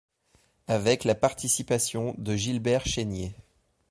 Avec la participation de Gilbert Chénier.